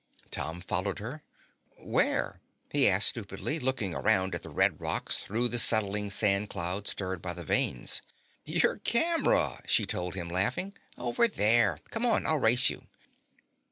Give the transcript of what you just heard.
Tom followed her. "Where?" he asked stupidly, looking around at the red rocks through the settling sand cloud stirred by the vanes. "Your camera," she told him, laughing. "Over there. Come on, I'll race you."